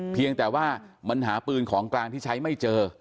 เพียงแต่ว่ามันหาปืนของกลางที่ใช้ไม่เจอ